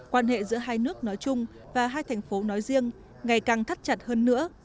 quan hệ giữa hai nước nói chung và hai thành phố nói riêng ngày càng thắt chặt hơn nữa